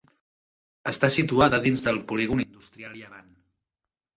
Està situada dins del polígon industrial Llevant.